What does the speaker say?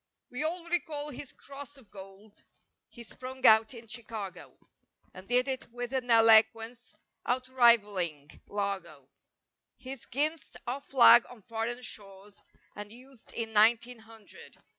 We all recall his "Cross of Gold," He sprung out in Chicago, And did it with an eloquence Outrivaling lago. His "Ginst Our Flag on Foreign Shores," And used in nineteen hundred.